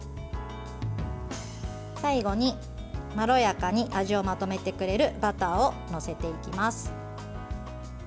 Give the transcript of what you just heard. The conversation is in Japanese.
最後にまろやかに味をまとめてくれるバターを載せていきます。